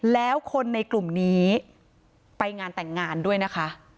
แล้วคนในกลุ่มนี้ไปงานแต่งงานด้วยนะคะ